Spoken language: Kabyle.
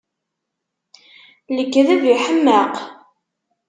Lekdeb iḥemmeq!